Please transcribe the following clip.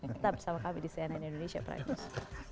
tetap bersama kami di cnn indonesia prime news